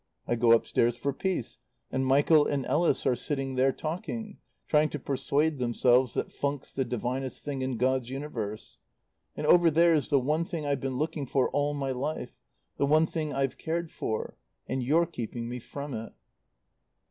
I go upstairs for peace, and Michael and Ellis are sitting there talking; trying to persuade themselves that funk's the divinest thing in God's universe. "And over there's the one thing I've been looking for all my life the one thing I've cared for. And you're keeping me from it."